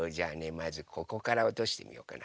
まずここからおとしてみようかな。